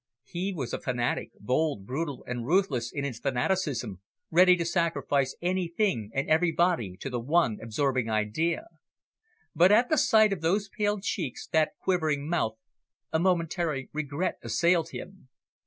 He was a fanatic, bold, brutal, and ruthless in his fanaticism, ready to sacrifice anything and everybody to the one absorbing idea. But at the sight of those pale cheeks, that quivering mouth, a momentary regret assailed him.